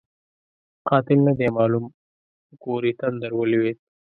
قاتل نه دی معلوم؛ په کور یې تندر ولوېد.